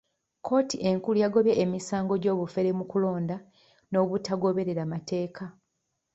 Kkooti enkulu yagobye emisango gy'obufere mu kulonda n'obutagoberera mateeka.